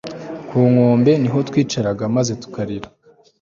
ku nkombe ni ho twicaraga, maze tukarira